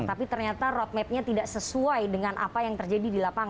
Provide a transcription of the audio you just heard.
tapi ternyata roadmapnya tidak sesuai dengan apa yang terjadi di lapangan